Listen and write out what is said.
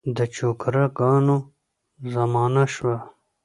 د چوکره ګانو زمانه شوه.